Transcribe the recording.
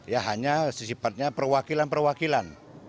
ya hanya sesipatnya perwakilan perwakilan